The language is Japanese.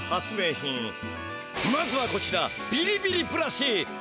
まずはこちらビリビリブラシ！